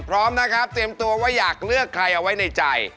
พร้อมนะครับเตรียมตัวว่าอยากเลือกใครเอาไว้ในใจ